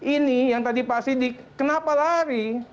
ini yang tadi pak sidik kenapa lari